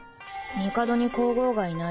帝に皇后がいない